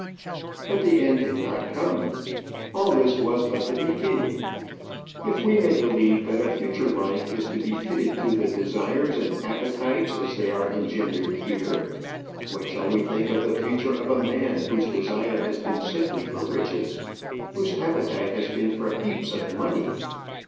But the end had not come. All this was but the beginning. If we may believe that a future life is to be fitted to the desires and appetites as they are engendered here, what shall we think of the future of a man whose desire has been simply for riches, whose appetite has been for heaps of money?